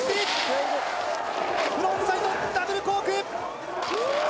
フロントサイドダブルコーク１４４０